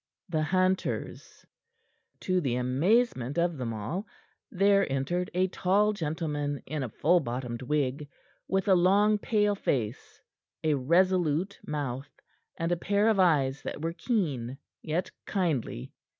THE HUNTERS To the amazement of them all, there entered a tall gentleman in a full bottomed wig, with a long, pale face, a resolute mouth, and a pair of eyes that were keen, yet kindly.